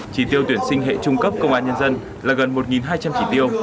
trí tiêu tuyển sinh hệ trung cấp công an nhân dân là gần một hai trăm linh trí tiêu